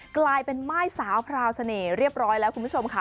กลายเป็นม่ายสาวพราวเสน่ห์เรียบร้อยแล้วคุณผู้ชมค่ะ